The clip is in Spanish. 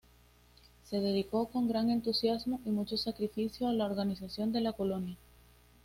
Se dedicó con gran entusiasmo y mucho sacrificio a la organización de la colonia.